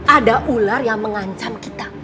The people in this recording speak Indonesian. ada ular yang mengancam kita